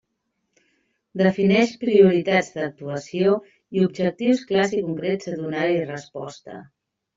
Defineix prioritats d'actuació i objectius clars i concrets a donar-hi resposta.